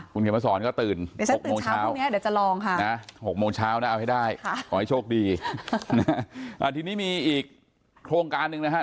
คุณเขมรสรก็ตื่น๖โมงเช้านะเอาให้ได้ขอให้โชคดีนะทีนี้มีอีกโครงการหนึ่งนะฮะ